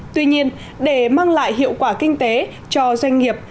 tuy nhiên để mang lại hiệu quả kinh tế cho doanh nghiệp